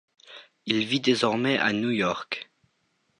Il vit désormais à New York.